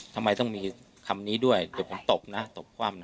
ทำไมต้องมีคำนี้ด้วยเดี๋ยวผมตกนะตกคว่ำนะ